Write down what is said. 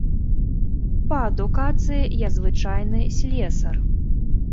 Па адукацыі я звычайны слесар.